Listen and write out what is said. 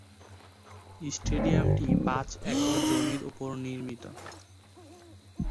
স্টেডিয়ামটি পাঁচ একর জমির উপর নির্মিত।